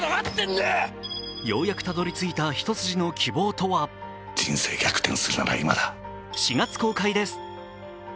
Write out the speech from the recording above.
ようやくたどり着いた一筋の希望とは４月公開です！